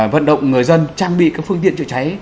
vận động người dân trang bị các phương tiện chữa cháy